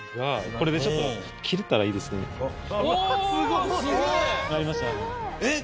これでちょっと切れたらいいですねえっ